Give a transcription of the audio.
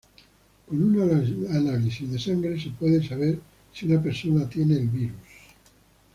Con un análisis de sangre se puede saber si una persona tiene el virus.